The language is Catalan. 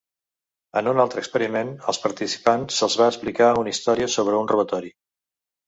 En un altre experiment, als participants s'els va explicar una història sobre un robatori.